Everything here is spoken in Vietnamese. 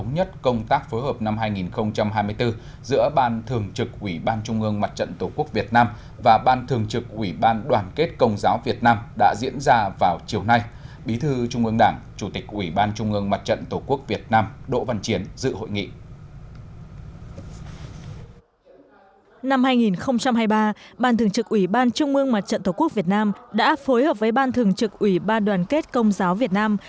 năm hai nghìn hai mươi ba ban thường trực ủy ban trung ương mặt trận tổ quốc việt nam đã phối hợp với ban thường trực ủy ban đoàn kết công giáo việt nam